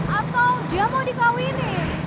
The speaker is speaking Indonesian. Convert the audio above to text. atau dia mau dikawinin